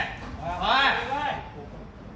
おい！